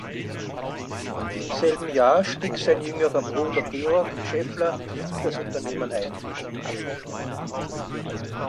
Im selben Jahr stieg sein jüngerer Bruder Georg Schaeffler in das Unternehmen ein.